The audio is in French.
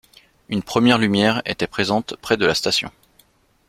Une première lumière était présente près de la station.